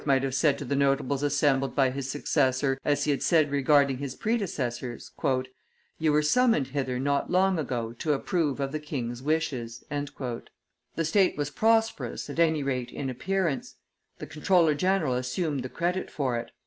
might have said to the notables assembled by his successor, as he had said regarding his predecessors: "You were summoned hither not long ago to approve of the king's wishes." The state was prosperous, at any rate in appearance; the comptroller general assumed the credit for it.